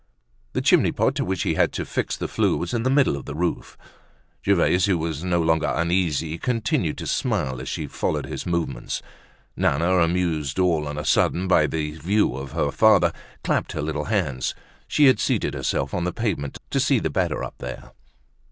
The chimney pot to which he had to fix the flue was in the middle of the roof. Gervaise, who was no longer uneasy, continued to smile as she followed his movements. Nana, amused all on a sudden by the view of her father, clapped her little hands. She had seated herself on the pavement to see the better up there.